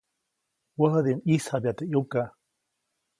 Wäjädiʼuŋ ʼyisjabya teʼ ʼyuka.